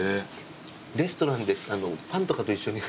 レストランでパンとかと一緒に食べる。